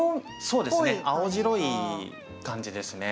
そうですね青白い感じですね。